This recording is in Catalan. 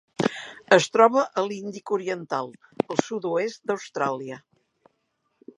Es troba a l'Índic oriental: el sud-oest d'Austràlia.